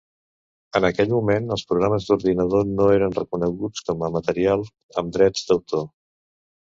En aquell moment, els programes d'ordinador no eren reconeguts com a material amb drets d'autor.